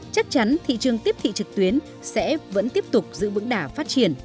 chắc chắn thị trường tiếp thị trực tuyến sẽ vẫn tiếp tục giữ bững đà phát triển